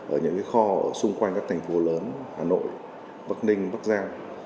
ở những kho ở xung quanh các thành phố lớn hà nội bắc ninh bắc giang